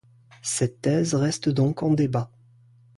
Cette thèse reste donc en débat.